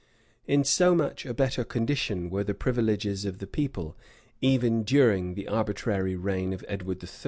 In so much a better condition were the privileges of the people even during the arbitrary reign of Edward III.